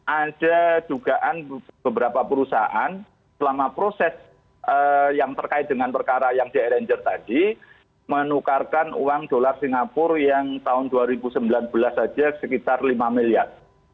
ada dugaan beberapa perusahaan selama proses yang terkait dengan perkara yang di arranger tadi menukarkan uang dolar singapura yang tahun dua ribu sembilan belas saja sekitar lima miliar